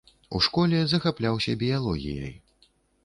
У школе захапляўся біялогіяй.